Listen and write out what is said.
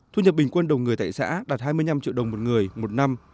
thu nhập bình quân đầu người tại xã đạt hai mươi năm triệu đồng một người một năm